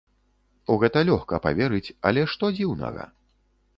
У гэта лёгка паверыць, але што дзіўнага?